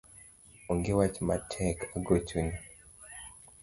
Onge wach matek agochoni